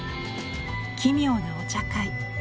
奇妙なお茶会。